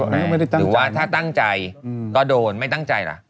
หรือว่าถ้าตั้งใจก็โดนไม่ตั้งใจล่ะ